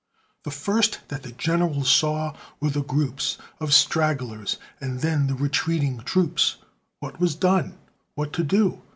The first that the general saw were the groups Of stragglers, and then the retreating troops; What was done? what to do?